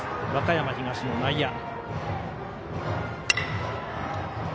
和歌山東の内野。